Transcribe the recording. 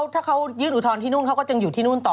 ถ้าเขายื่นอุทธรณ์ที่นู่นเขาก็จึงอยู่ที่นู่นต่อ